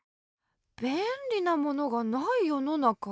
べんりなものがないよのなか？